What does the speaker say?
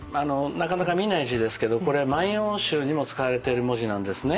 なかなか見ない字ですけどこれ『万葉集』にも使われてる文字なんですね。